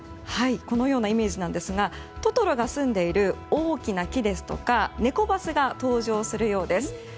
このようなイメージですがトトロがすんでいる大きな木ですとかネコバスが登場するようです。